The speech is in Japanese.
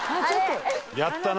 やったな。